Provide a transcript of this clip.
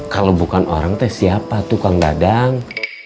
kalo bukan orang teh siapa tuh kang dadang